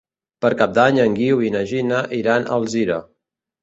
Per Cap d'Any en Guiu i na Gina iran a Alzira.